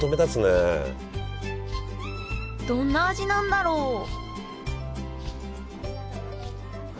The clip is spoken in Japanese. どんな味なんだろう？